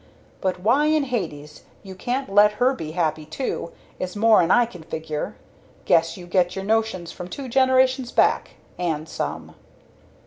But why in Hades you can't let her be happy, too, is more'n I can figure! Guess you get your notions from two generations back and some!"